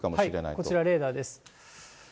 こちら、レーダーです。